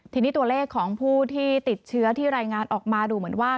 ทีนี้ตัวเลขของผู้ที่ติดเชื้อที่รายงานออกมาดูเหมือนว่า